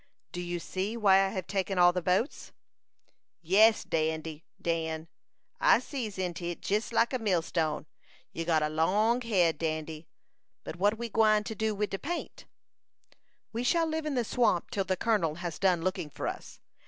"Do you see why I have taken all the boats?" "Yes, Dandy Dan; I sees into it jes like a millstone. You'se got a long head, Dan. But what ye gwine to do wid de paint?" "We shall live in the swamp till the colonel has done looking for us.